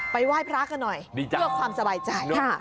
ไปไหว้พระกันหน่อยดีจักโดยความสบายใจได้เลย